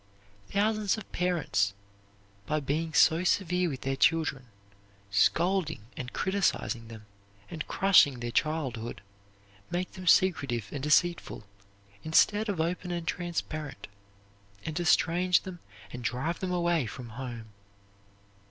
Thousands of parents by being so severe with their children, scolding and criticizing them and crushing their childhood, make them secretive and deceitful instead of open and transparent, and estrange them and drive them away from home.